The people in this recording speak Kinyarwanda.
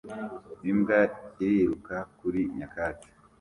Imbwa iriruka kuri nyakatsi